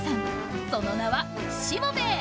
その名は「しもべえ」！